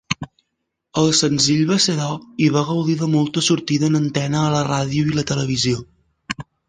El senzill va ser d'or i va gaudir de molta sortida en antena a la ràdio i la televisió.